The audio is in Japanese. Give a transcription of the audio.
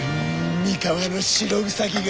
三河の白兎が！